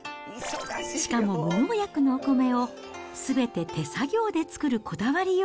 しかも、無農薬のお米を、すべて手作業で作るこだわりよう。